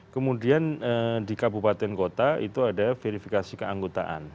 kemudian di kabupaten kota itu ada verifikasi keanggotaan